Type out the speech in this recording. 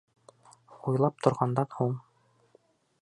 Уйлап торғандан һуң: